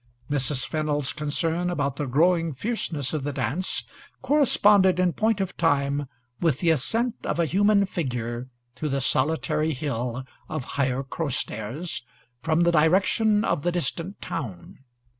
Mrs. Fennel's concern about the growing fierceness of the dance corresponded in point of time with the ascent of a human figure to the solitary hill of Higher Crowstairs from the direction of the distant town.